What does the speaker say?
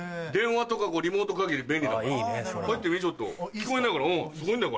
聞こえないからすごいんだよ。